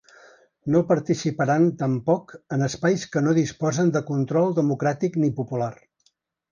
No participaran tampoc en ‘espais que no disposen de control democràtic ni popular’.